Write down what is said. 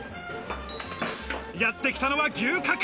やってきたのは牛角。